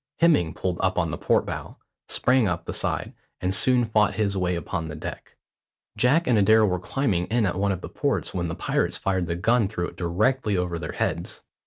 Hemming pulled up on the port bow, sprang up the side, and soon fought his way upon deck. Jack and Adair were climbing in at one of the ports when the pirates fired the gun through it directly over their heads.